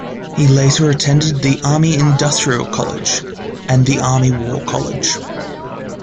He later attended the Army Industrial College, and the Army War College.